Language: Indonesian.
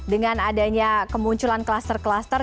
dengan adanya kemunculan kluster kluster